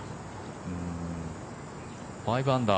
５アンダー。